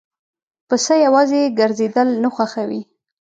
پسه یواځی ګرځېدل نه خوښوي.